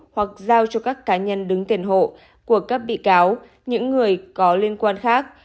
hoặc giao cho các cá nhân đứng tiền hộ của các bị cáo những người có liên quan khác